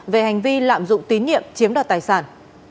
về hành vi lạm dụng tín nhiệm chiếm đoạt tài sản